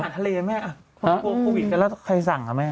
หาทะเลแม่โปรโควิดกันแล้วใครสั่งครับแม่